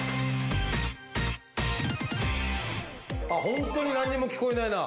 ホントに何にも聞こえないな。